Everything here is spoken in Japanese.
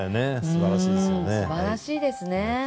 素晴らしいですね。